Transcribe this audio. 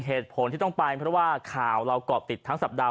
เหตุผลที่ต้องไปเพราะว่าข่าวเราก่อติดทั้งสัปดาห